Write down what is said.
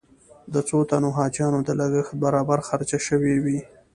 د څو تنو حاجیانو د لګښت برابر خرچه شوې وي.